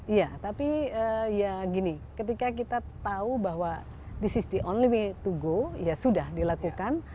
iya tapi ya gini ketika kita tahu bahwa this is the only way to go ya sudah dilakukan